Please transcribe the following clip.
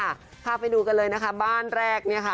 ค่ะว่าไปดูกันเลยนะแค่บ้านแรก